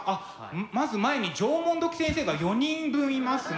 まず前に縄文土器先生が４人分いますね。